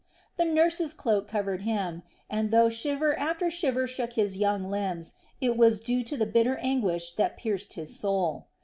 The nurse's cloak covered him and, though shiver after shiver shook his young limbs, it was due to the bitter anguish that pierced his soul.